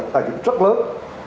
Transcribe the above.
tài dụng rất lớn